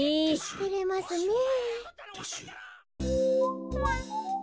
てれますねえ。